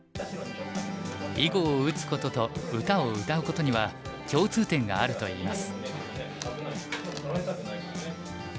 囲碁を打つことと歌を歌うことには共通点があるといいます。